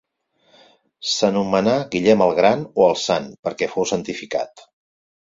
S'anomenà Guillem el gran o el sant, perquè fou santificat.